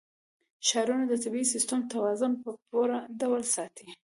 ښارونه د طبعي سیسټم توازن په پوره ډول ساتي.